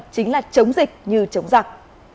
chính là chống dịch như chống giặc